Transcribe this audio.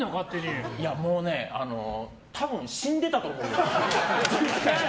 もうね、多分死んでたと思う。